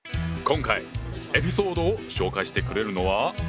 今回エピソードを紹介してくれるのは。